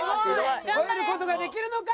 超える事ができるのか？